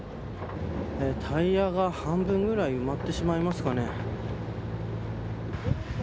タイヤが半分ぐらい埋まってしまいますかね。